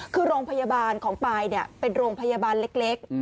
คือโรงพยาบาลของปลายเป็นโรงพยาบาลเล็ก